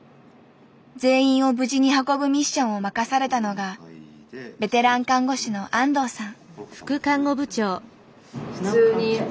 全員を無事に運ぶミッションを任されたのがベテラン看護師の安藤さん。